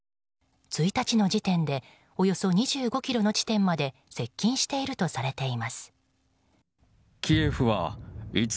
１日の時点でおよそ２５ｋｍの地点まで接近しているとされています。